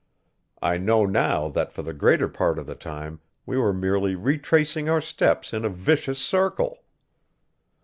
I know now that for the greater part of the time we were merely retracing our steps in a vicious circle!